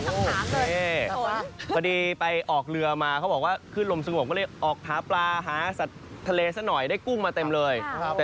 นี่พอดีไปออกเรือมาเขาบอกว่าขึ้นลมสงบก็เลยออกหาปลาหาสัตว์ทะเลซะหน่อยได้กุ้งมาเต็มเลย